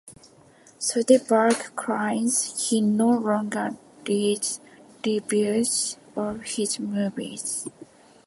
Soderbergh claims he no longer reads reviews of his movies.